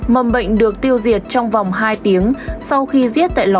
mầm bệnh được tiêu diệt trong vòng hai tiếng sau khi giết tại lò